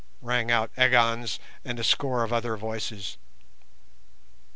rang out Agon's and a score of other voices.